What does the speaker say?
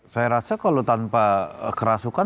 saya rasa kalau tanpa kerasukan